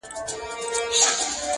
کارغه ناست دی په چګس باز په تراب